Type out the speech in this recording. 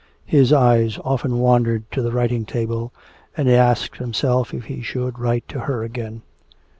His eyes often wandered to the writing table, and he asked himself if he should write to her again.